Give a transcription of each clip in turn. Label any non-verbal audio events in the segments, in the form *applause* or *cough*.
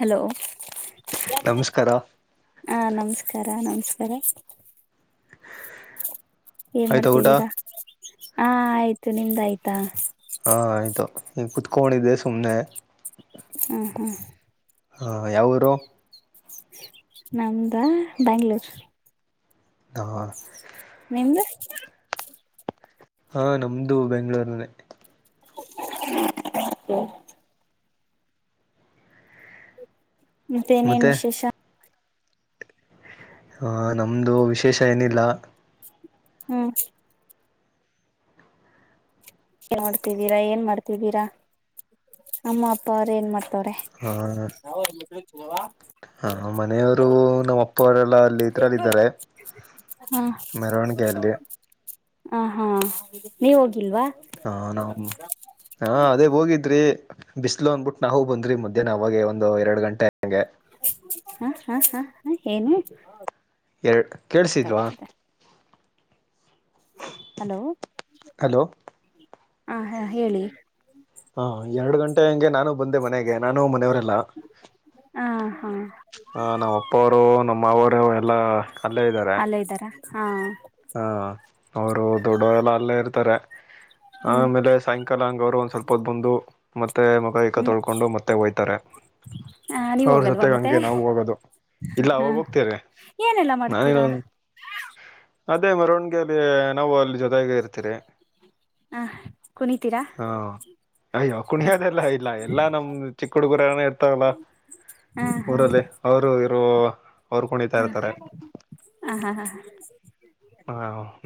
Hello. ನಮಸ್ಕಾರ ಹಾ ನಮಸ್ಕಾರ ನಮಸ್. ಏನ್ ಆಯ್ತಾ ಊಟ ಮಾಡ್ತಿದ್ದೀರಾ. ಹ್ಮ್ಮ್ ಆಯ್ತು ನಿಮ್ದ ಆಯ್ತಾ. ಹಾ ಆಯ್ತು ಈಗ ಕುತಕೊಂಡಿದೆ ಸುಮ್ನೆ. ಹ್ಮ ಹ್ಮ್ಮ್. ಹ್ಮ್ಮ್ ಯಾವ ಊರು. ನಮ್ದ ಬೆಂಗಳೂರು. ಹ್ಮ್ಮ್. ನಿಮ್ದು. ಹ್ಮ್ಮ್ ನಮ್ದು ಬೆಂಗಳೂರನೆ. *unintelligible* ಮತ್ತೆ ಏನೇನ್ ವಿಶೇಷ ಹ ನಮ್ದು ವಿಶೇಷ ಏನಿಲ್ಲ ಹ್ಮ. ಏನ್ ಮಾಡ್ತಿದ್ದೀರಾ ಏನ್ ಮಾಡ್ತಿದ್ದೀರಾ ಅಮ್ಮ ಅಪ್ಪ ಅವರ ಏನ್ ಮಾಡ್ತ. *unintelligible* ಹ್ಞೂ ಮನೆಯವರು ನಮ್ಮ ಅಪ್ಪರೆ ಎಲ್ಲ. ಅಲ್ಲಿ ಇದರಲ್ಲಿ ಇದಾರೆ ಹ ಮೆರವಣಿಗೆ ಅಲ್ಲಿ. ನೀವು ಒ. ಹ್ಮ್ಮ್ ನಮ್ಮ ಅದೇ ಹೋಗಿದ್ರಿ. ಬಿಸಲು ಅಂದಬಿಟ್ಟು ನಾವು ಬಂದವಿ ಮದ್ಯಾಹ್ನ ಅವಾಗ ಒಂದು ಎರಡು ಗಂಟೆ. ಹ್ಮ್ಮ್ ಹ್ಮ್ಮ್ ಏನು. ಎರ್ ಕೇಳಸಿದ್ಲ್ವಾ ಬೇಕಾಗ್ತಿದೆ ಹಲೋ ಹಲೋ ಹ ಹ ಹೇಳಿ ಹಾ ಎರಡು ಗಂಟೆ ಹಂಗೆ ನಾನು ಬಂದೆ ಮನೆಗೆ ನಾನೂ ಮನೆಯವರೆಲ್ಲ ಹ ಹಾ ಹ ನಮ್ಮ ಅಪ್ಪವರು ನಮ್ಮ ಮಾವವರು ಎಲ್ಲಾ ಅಲ್ಲೇ ಇದ್ದಾರೆ ಹಾಂ ಹಾ ಅವರು ದೊಡಲ್ಲ ಎಲ್ಲ ಇರ್ತಾರೆ ಹ್ಮ್ ಆಮೇಲೆ ಸಾಯಂಕಾಲ ಹಂಗ ಅವ್ರು ಒಂದ್ ಸ್ವಲ್ಪ ಹೊದ ಬಂದು ಮತ್ತೆ ಮಗ ಇಕ್ಕ ತೊಳ್ಕೊಂಡು ಮತ್ತೆ ಹೋಯ್ತಾರೆ ಹಾ ನೀವ ಅವ್ರ ಹೋಗಲ್ವಾ ಜೊತೆಗೆ ಮತ್ತೆ ಹಂಗೆ ನಾವು ಹೋಗೋದು ಹ ಇಲ್ಲ ಅವಾಗ ಹ್ಮ್ ಹೋಗ್ತೀರಿ ಏನೆಲ್ಲ ನಾನೇನ ಮಾಡ್ತೀರಾ ಅದೇ ಮೆರವಣಿಗೆ ಅಲ್ಲಿ ನಾವು ಅಲ್ಲಿ ಜೊತೆಗೆ ಇರ್ತೀರಿ ಹಹ ಕುಣಿತೀರಾ ಹಾ ಅಯ್ಯೋ ಕುಣಿಯದೆಲ್ಲ ಇಲ್ಲ ಎಲ್ಲಾ ನಮ್ದ ಚಿಕ್ಕ ಹುಡುಗರನ ಇರ್ತಾವಲ್ಲ ಹ ಊರಲ್ಲಿ ಅವರು ಇರೋ ಹ ಹ ಹಾ ಹಾ ಹ ಹಾ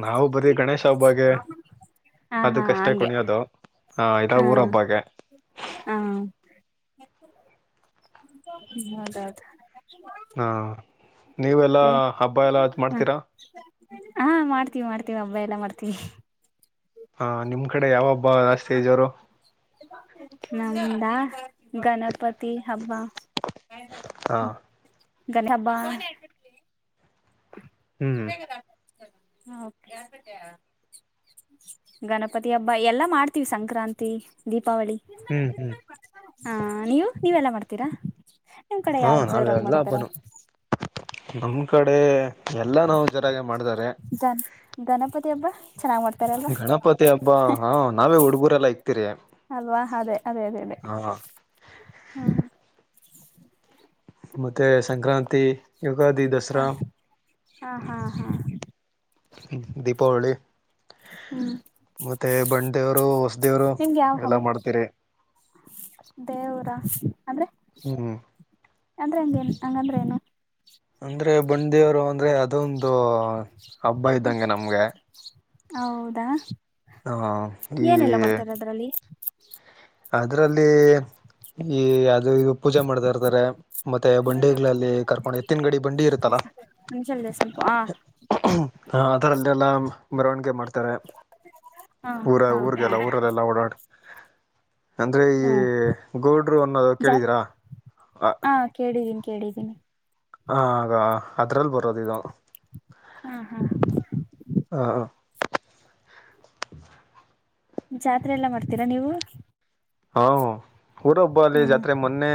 ನಾವವು ಬರೀ ಗಣೇಶ ಅವಬಾಗೆ ಹಾ ಹಾ ಅದಕ್ಕಷ್ಟೇ ಹಂಗೆ ಕುಣಿಯೋದು ಹಾ ಇದ ಊರ ಹಬ್ಬಾಗ ಹಾ ಹ ಹೌದೌದು ಹ್ಮ ನೀವೆಲ್ಲಾ ಮತ್ತೆ ಹಬ್ಬ ಎಲ್ಲ ಅ ಹ ಮಾಡ್ತೀರಾ ಎ ಮಾಡ್ತೀ ಹಾ ನಿಮ್ ಕಡೆ ಯಾವ ಹಬ್ಬ ಜಸ್ತಿಜರು ನಮಂದ ಗಣಪತಿ ಹಬ್ಬ ಹಾ ಗಣ ಹಬ್ಬ ಹ್ಮ್ ಹ *inaudible* ಗಣಪತಿ ಹಬ್ಬ ಎಲ್ಲಾ ಮಾಡ್ತೀವಿ ಸಂಕ್ರಾಂತಿ ದೀಪ ಹ್ಮ್ ಹ್ಮ್ ಹಾ ನೀವು ನೀವೆಲ್ಲ ಮಾಡ್ತೀರಾ ನಿಮ್ ಕಡೆ ಹಾ ಯಾವ್ದ್ ಜೋರಾಗಿ ನಾವೆಲ್ಲ ಮಾಡ್ತಾರೆ ಹಬ್ಬನು ನಮ್ಮ ಕಡೆ ಎಲ್ಲ ನಾವು ಜೋರಾಗಿ ಮಾಡಿದಾರೆ ಗನ್ ಗಣಪತಿ ಹಬ್ಬ ಚೆನ್ನಾಗ್ ಮಾಡ್ತಾರಲ್ವಾ ಗಣಪತಿ ಹಬ್ಬ ಹಾ ನಾವೇ ಹುಡುಗುರೆಲ್ಲ ಇಕ್ತಿರಿ ಅಲ್ವಾ ಅದೇ ಅದೇ ಅದೇ ಅದೇ ಹಾ ಹ್ಮ್ *inaudible* ಮತ್ತೆ ಸಂಕ್ರಾಂತಿ ಯುಗಾದಿ ದಸರಾ ಹ ಹಾ ಹಾ ಹಾ ದೀಪಾವಳಿ ಹ್ಮ್ ಮತ್ತೆ ಬಂಡ ದೇವ್ರು ಹೊಸದೇವ್ರು ನಿಮ್ಗೆ ಯಾವ ಎಲ್ಲ ಹಬ್ಬ ಮಾಡ್ತೀರಿ ದೇವರ ಅಂದ್ರೆ ಹ್ಮ್ ಅಂದ್ರೆ ಏಗೇ ಹಂಗಾದ್ರ ಏನು ಅಂದ್ರೆ ಬಂಡೆಯವರು ಅಂದ್ರೆ ಅದೊಂದು ಹಬ್ಬ ಇದ್ದಂಗೆ ನಮ್ಗೆ ಹೌದಾ ಹ ಈ ಏನೆಲ್ಲ ಮಾಡ್ತಾರೆ ಅದ್ರಲ್ಲಿ ಅದ್ರಲ್ಲಿ ಈ ಇದು ಪೂಜೆ ಮಾಡ್ತಾ ಇರ್ತಾರೆ ಮತ್ತೆ ಬಂಡಿಗಳಲ್ಲಿ ಕರ್ಕೊಂಡು ಎತ್ತಿನ ಗಡಿ ಬಂಡಿ ಇರುತ್ತಲ್ಲಾ ಹಸ *unintelligible* *inaudible* ಹ ಅದರಲ್ಲೆಲ್ಲ ಮೆರವಣಿಗೆ ಮಾಡ್ತಾರೆ ಹಾ ಊರ ಹಾ ಹಾ ಊರ್ಗೆಲ್ಲ ಊರಲ್ಲೆಲ್ಲ ಓಡಾಡ್ ಅಂದ್ರೆ ಈ ಹ್ಮ್ ಗೌಡ್ರು ಅನ್ನೋದು ಜಾತ್ ಕೇಳಿದಿರಾ ಅ ಕೇಳಿದಿನಿ ಹ ಆ ಅದ್ರಲ್ಲಿ ಬರೋದು ಇದು ಹಾ ಹಾ ಹ ಜಾತ್ರೆ ಎಲ್ಲ ಮಾಡ್ತೀರಾ ನೀವು ಹಾ ಊರೊಬ್ಬ ಅಲ್ಲಿ ಹ್ಮ್ ಜಾತ್ರೆ ಮೊನ್ನೆ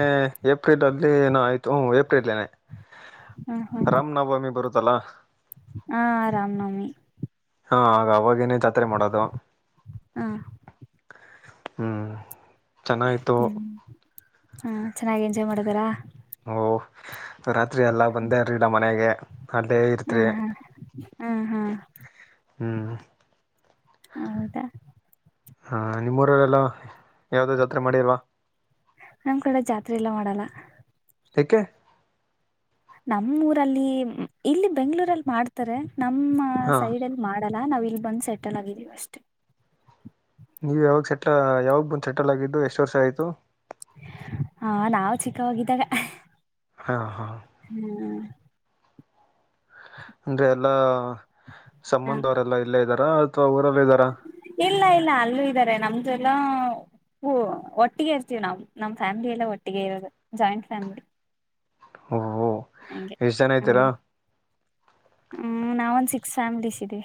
ಏಪ್ರಿಲ್ ಅಲ್ಲಿ ಏನ ಆಯ್ತು ಏಪ್ರಿಲ್ನೆ ಹ್ಮ್ ಹ್ಮ್ ರಾಮನವಮಿ ಬರುತ್ತಲ್ಲ ಹಾ ರಾಮನವಮಿ ಹಾ ಆಗ ಅವಾಗೇನೇ ಜಾತ್ರೆ ಮಾಡೋದು ಹಾ ಹ್ಮ್ ಚನ್ನಾಗಿತ್ತು ಹಂ ಚೆನ್ನಾಗಿ ಎಂಜಾಯ್ ಮಾಡಿದಾರಾ ಓ ರಾತ್ರಿ ಎಲ್ಲ ಒಂ ದೇ ರೀಡ ಮನೆಗೆ ಅಲ್ಲೇ ಇರ್ತ್ರಿ ಹ್ಮ್ ಹ್ಮ್ ಹ್ಮ್ ಹ್ಮ್ ಹ್ಮ್ ಹೌದಾ ಹಾ ನಿಮ್ಮೂರಲ್ಲಲ್ಲ ಯಾವುದು ಜಾತ್ರೆ ಮಾಡಿಲ್ವಾ ನಮ್ ಕಡೇ ಜಾತ್ರೆ ಎಲ್ಲ ಮಾಡಲ್ಲ ಏಕೆ ನಮ್ಮೂಊರಲ್ಲಿ ಇಲ್ಲಿ ಬೆಂಗ್ಗಳೂರಲ್ಲಿ ಮಾಡ್ತಾರೆ ನಮ್ಮ ಹಾ ಸೈಡ್ ಅಲ್ಲಿ ಮಾಡ *unintelligible* ನಾವ್ ಇಲ್ಲಿ ಬಂದ್ ಸೆಟಲ್ ಆಗಿದ್ದೀವಿ ಅಷ್ಟೇ ನೀವು ಯಾವಾಗ ಸೆಟ್ಲ್ ಯಾವಾಗ ಬಂದ್ ಸೆಟಲ್ ಆಗಿದ್ದು ಎಷ್ಟು ವರ್ಷ ಆಯ್ತು ಹಾ ನಾವ ಚಿಕ್ಕವೋಗಿದ್ದಾಗ ಹಾ ಹಾ ಅಂದ್ರೆ ಎಲ್ಲಾ ಹ ಸಂಬಂಧವರೆಲ್ಲಾ ಇಲ್ಲೇ ಇದ್ದಾರ ಇಲ್ಲ ಇಲ್ಲ ಅಲ್ಲೂ ಇದ್ದಾರೆ ನಮ್ದುಲ್ಲ ಹ ಒಟ್ಟಿಗೆ ಇರ್ತೀವಿ ನಾವವು ನಮ್ ಫ್ಯಾಮಿಲಿ ಎಲ್ಲ ಒಟ್ಟಿಗೆ ಇರದ ಜಾಯಿಂಟ್ ಫ್ಯಾಮಿಲಿ ಓಹೋ ಹಗೆ ಎಷ್ಟ್ ಜನ ಹ್ಮ ಇದ್ದೀರಾ ಹ್ಮ್ ನಾವ ಒಂದ್ಸ ಸ್ಯಾಮ್ಲಸ್ ಇದೆ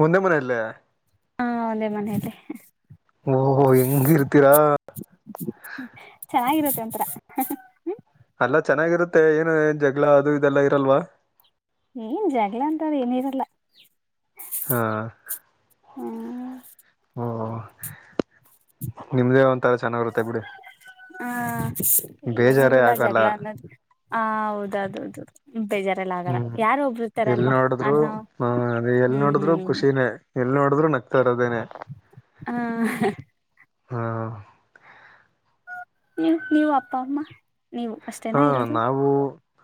ಮುಂದ ಮನ ಅಲ್ಲೇ ಹಾಂ ಅದೇ ಮನೆಯಲ್ಲಿ ಓ ಹೆಂಗ ಇತೀರಾ ಚೆನ್ನಾಗಿರುತ್ತೆ ಒಂಥರ ಹ ಅಲ್ಲಾ ಚೆನ್ನಾಗಿರುತ್ತೆ ಏನು ಏನ್ ಜಗಳ ಅದು ಇದೆಲ್ಲ ಇರಲ್ವ ಏನ್ ಜಗಳ ಅಂತಾರ ಏನಿರಲ್ಲ ಹಾ ಹ್ಮ್ ಓ ನಿಮ್ದೇ ಒಂತಥರ ಚೆನ್ನಾಗಿರುತ್ತೆ ಬಿಡಿ ಹ ಬೇಜಾರೇ ಏನಲ್ಲ ಆಗಲ್ಲ ಜಗಳ ಅನ್ನೋದು ಹ ಹೌದ್ದೌದು ಹ್ಮ್ ಎಲ್ಲಿ ಅಲ್ವಾ ನೋಡಿದ್ರು ಅನ್ನೋ ಹ ಎಲ್ ನೋಡಿದ್ರು ಹ್ಮ್ ಖುಷಿನೇ ಎ ನೋಡಿದ್ರೂ ನಗ್ತಾರೋದೇನೆ ಹಾ ಹ್ಮ ನೀವ ನೀವು ಅಪ್ಪ ಅಮ್ಮ ನೀವು ಹಾ ಅಷ್ಟೇನಾ ಇರೋದು ನಾವು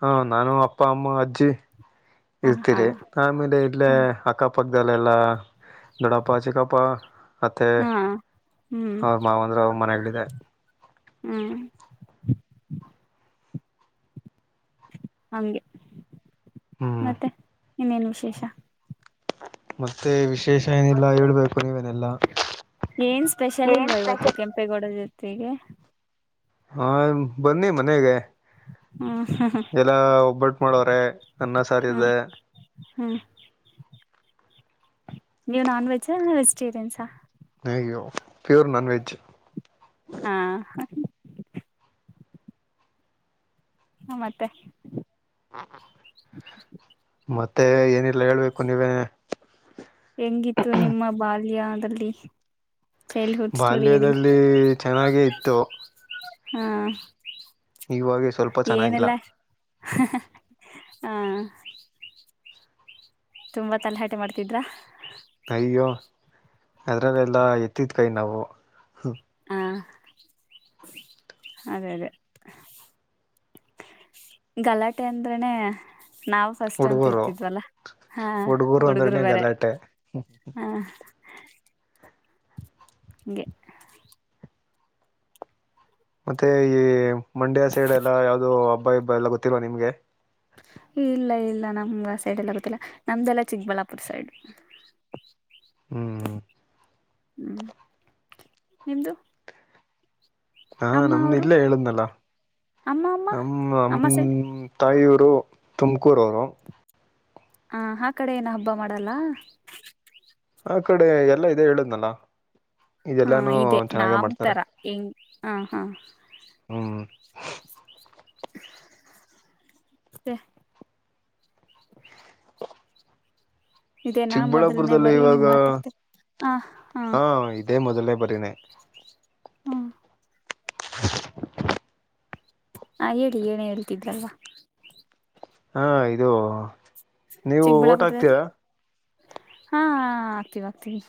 ಹಾ ನಾನು ಅಪ್ಪ ಅಮ್ಮ ಅಜ್ಜಿ ಹ ಹಾ ಇರ್ತೀರಿ ಆಮೇಲೆ ಇಲ್ಲೆ ಹ ಅಕ್ಕಪಕ್ಕ ಗಲಲ್ಲಾ ದಡಾಪಾ ಚಿಕಾಪ್ಪ ಮತ್ತು ಹಾ ಹ್ಮ್ ಅವ್ರ ಮಾವ ಅಂದ್ರರು ಅವ ಮನಾಗಿದೆ ಹ್ಮ್ ಹಂಗೆ ಹ್ಮ್ ಮತ್ತೆ ನೀನ್ನೇನು ವಿಶೇಷ ಮತ್ತೆ ವಿಶೇಷ ಏನಿಲ್ಲ ಹೇಳ್ಬೇಕು ನೀವೇನೆಲ್ಲಾ ಏನ್ ಸ್ಪೆಷಲ್ ಏನ್ ಇಲ್ವಾ ಇವತ್ತು ಕೆಂಪೇಗೌಡ ಜಯಂತಿ ಗೆ ಹಾ ಬನ್ನಿ ಮನೆಗೆ ಹ್ಮ್ ಎಲ್ಲ ಒಬ್ಬಟ್ಟು ಮಾಡೋವ್ರೆ ಅನ್ನ ಸಾರಿದೆ ಹಾ ನೀವು ನಾನ್ ವೆಜ್ ವೆಜಿಟೇರಿಯನ್ಸಾ ಅಯ್ಯೋ ಪ್ಯೂರ್ ನಾನ್ವೆಜ್ ಹಾ ಹಾ ಮತ್ತೆ ಮತ್ತೆ ಏನಿಲ್ಲ ಹೇಳ್ಬೇಕು ನೀವೇ ಹೆಂಗಿತ್ತು ನಿಮ್ಮ ಬಾಲ್ಯದಲ್ಲಿ ಚೈಲ್ಡ್ಹುಡ್ ಸ್ಟೋರಿಯಲ್ಲಿ ಬಾಲ್ಯದಲ್ಲಿ ಚೆನ್ನಾಗೇ ಇತ್ತು ಹಾ ಇವಾಗ ಸ್ವಲ್ಪ ಚೆನ್ನಾಗಿಲ್ಲ ಏನೆಲ್ಲ ಹಾ ತುಂಬಾ ತಲೆಹಾಟೆ ಮಾಡ್ತಿದ್ರಾ ಅಯ್ಯೋ ಅದ್ರಲ್ಲೆಲ್ಲಾ ಎತ್ತಿದ ಕೈ ನಾವು ಹಾ ಅದೇ ಅದೇ ಗಲಾಟೆ ಅಂದ್ರನನೆ ನಾವವು ಫಸ್ಟ್ ಅಂತ ಹುಡುಗರು ಇರ್ತಿದ್ವಲ್ಲ ಹಾ ಹುಡುಗರು ಅಂದ್ರನೇ ಬ್ಯಾರೆ ಗಲಾಟೆ ಹಾ ಹಗೆ ಮತ್ತೆ ಈ ಮಂಡ್ಯ ಸೈಡ್ ಎಲ್ಲ ಯಾವುದೋ ಹಬ್ಬ ಹಬ್ಬ ಎಲ್ಲ ಗೊತ್ತಿಲ್ವಾ ನಿಮ್ಗೆ ಇಲ್ಲ ಇಲ್ಲ ನಮ್ಗ ಆ ಸೈಡ್ ಎಲ್ಲ ಗೊತ್ತಿಲ್ಲ ನಮ್ದಲ್ಲ ಚಿಕ್ಕಬಳ್ಳಾಪುರ ಸೈಡ್ ಹ್ಮ್ ಹ್ಮ್ ಹ್ಮ್ ನಿಮ್ದು ಹಾ ಅಮ್ಮ ನಮ್ದ ಅವರು ಇಲ್ಲ ಹೇಳುದ್ನಲ್ಲ ಅಮ್ಮ ಅಮ್ಮ ನಮ್ ನಮ್ ಅಮ್ಮ ಸೈಡ್ ತಾಯಿಯವರು ತುಮಕೂರು ಅವರು ಹ ಆ ಕಡೆ ಏನ ಹಬ್ಬ ಮಾಡಲ್ಲ ಆ ಕಡೆ ಎಲ್ಲಾ ಇದೆ ಹೇಳುದ್ಲ್ಲ ಹಾ ಇದೆ ನಾಮ್ ತರ ಹೆಂಗ ಹ ಹಾ ಹ್ಮ್ ಮತ್ತೆ ಮೊದಲನೇ ಚಿಕ್ಕಬಳ್ಳಾಪುರದಲ್ಲಿ ಬಾರಿ ಇವಾಗ ನೀವ್ ಮಾತಾಡ್ತೀರಿ ಹ ಹಾ ಇದೇ ಮೊದಲನೇ ಬರಿನಯ ಹ್ಮ ಹಾ ಹೇಳಿ ಏನ ಹೇಳ್ತಿದ್ರಲ್ವಾ ಹಾ ಇದು ನೀವು ಓಟ್ ಚಿಕ್ಕಬಳ್ಳಾಪುರದಲ್ಲಿ ಹಾಕ್ತೀರಾ ಹಾ ಆಕ್ತಿವಿ ಆಕ್ತಿವಿ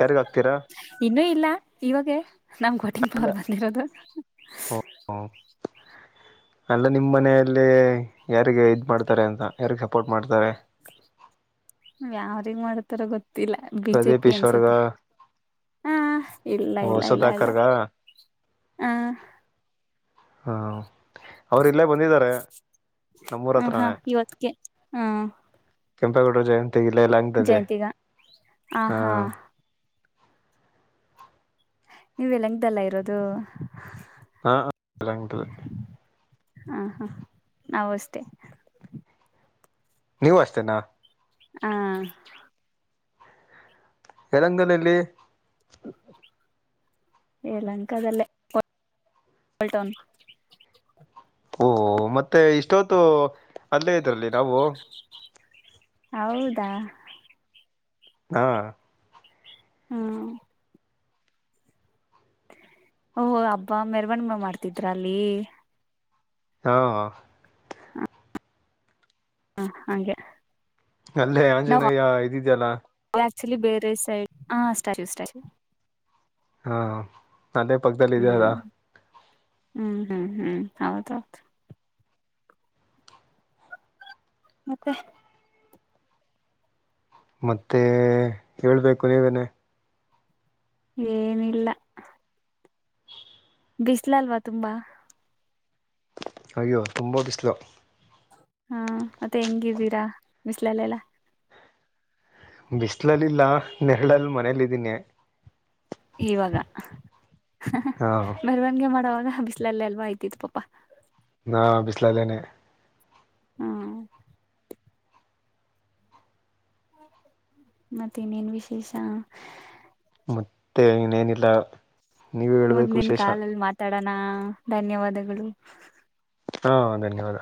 ಯಾರಿಗ್ ಆಕ್ತೀರಾ ಇವಾಗೆ ನಮ್ ಕೋಟಿಂಗ್ ಪವರ್ ಬಂದಿರೋದು ಹ್ಮ ಅಲ್ಲ ನಿಮ್ಮ್ ಮನೆಯಲ್ಲಿ ಯಾರಿಗೆ ಇದ್ ಮಾಡ್ತಾರೆ ಅಂತ ಯಾರಗ್ ಸಪೋರ್ಟ್ ಮಾಡ್ತಾರೆ ಹ ಯ್ರಗ್ ಮಾಡ್ತಾರ ಗೊತ್ತಿಲ್ಲ ಬಿಜೆ ಪ್ರದೀಪ್ ಪಿ ಈಶ್ವರ್ಗ ಅನ್ಸತ್ತೆ ಹಾ ಇಲ್ಲ ಇಲ್ಲ ಇಲ್ಲ ಇಲ್ಲ ವಸುಧಾಕರ್ಗ ಹಾ ಹಾ ಅವರು ಇಲ್ಲೇ ಬಂದಿದ್ದಾರೆ ನಮ್ಮೂರ ಹ ಹಾ ಹತ್ರಾನೇ ಇವತ್ತಕ್ಕೆ ಹಾ ಕೆಂಪೇಗೌಡ ಜಯಂತಿ ಇಲ್ಲಲ್ಲಂಗದಲ್ಲಿ ಹಾ ನೀವು ಯಲಹಂಕದಲ್ಲ ಇರೋದು ಹಾ ಯಲಹಂಕದಲ್ಲಿ ಹಾ ಹಾ ನಾವು ಅಷ್ಟೇ ನೀವು ಅಷ್ಟೇನಾ ಹಾ ಎಲ್ಲಂಗಲ್ಲಿಲ್ಲಿ ಯಲಂಕಾದಲ್ಲೇ ಟೌನ್ ಓಹ ಮತ್ತೆ ಇಷ್ಟೊತ್ತು ಅಲ್ಲೇ ಇದ್ರಲ್ಲಿ ನಾವು ಹೌದಾ ಹಾ ಹ್ಮ ಓಹೋ ಹಬ್ಬಾ ಮೆರ್ವಣ ಮಾಡ್ತಿದ್ರ ಅಲ್ಲಿ ಹಾ ಹಾ ಹಾ ಹಾಗೆ ಅಲ್ಲೇ ಆಂಜನೇಯ್ಯ ಇದಿದ್ಯಲ್ಲ ಆಚಲಿ ಬೇರೆ ಸೈಡ್ ಹ ಸ್ಟಾಚು ಸ್ಟಾಚು ಹಾ ನದೇ ಪಕ್ಕದದಲ್ಲಿ ಇದ ಹ್ಮ್ ಅದಾ ಹ್ಮ್ ಹ್ಮ್ ಹ್ಮ್ ಹೌದೌದು ಮತ್ತೆ ಮತ್ತೆ ಹೇಳ್ಬೇಕು ನೀವೇನೆ ಏನಿಲ್ಲ ಬಿಸ್ಲ ಅಲ್ವಾ ತುಂಬಾ ಅಯ್ಯೋ ತುಂಬ ಬಿಸ್ಲು ಹಾ ಮತ್ತೆ ಹೆಂಗಿದ್ದೀರಾ ಬಿಸ್ಲಲ್ಲೆಲ್ಲ ಬಿಸಲಲ್ಲಿಲ್ಲಾ ನೆರಳಲ್ ಮನೇಲ್ಲ ಇದಿದ್ದೀನಿ ಇವಾಗ ಹಾ ಮೆರವಣಿಗೆ ಮಾಡೋವಾಗ ಬಿಸಿಲಲ್ಲೇ ಅಲ್ವ ಇದ್ದಿದ್ದು ಪಾಪಾ ನಾ ಬಿಸಲಲ್ಲನೆ ಹ್ಮ ಮತ್ತೇನೇನ್ ವಿಶೇಷ ಮತ್ತೆ ಇನೇನಿಲ್ಲ ನೀವ ಹೇಳ್ಬೇಕು ವಿಶೇಷ ಡನಾ ಧನ್ಯವಾದಗಳು ಹಾ ಧನ್ಯವಾದ